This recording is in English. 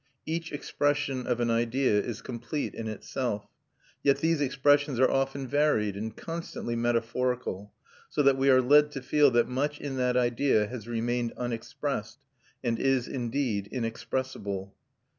Each expression of an idea is complete in itself; yet these expressions are often varied and constantly metaphorical, so that we are led to feel that much in that idea has remained unexpressed and is indeed inexpressible.